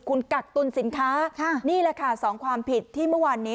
คุณกักตุลสินค้านี่แหละค่ะสองความผิดที่เมื่อวานนี้